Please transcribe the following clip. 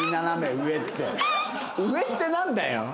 上ってなんだよ！